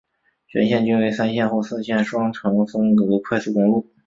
全线均为三线或四线双程分隔快速公路。